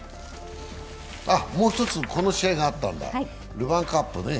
もう一つ、この試合があったんだ、ルヴァンカップね。